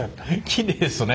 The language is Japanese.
きれいですね